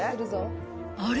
あれ？